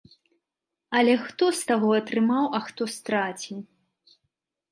Але хто з таго атрымаў, а хто страціў?